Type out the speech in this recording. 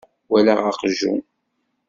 Walaɣ aqjun.